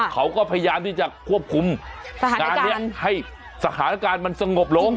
เขาก็พยายามที่จะควบคุมงานนี้ให้สถานการณ์มันสงบลง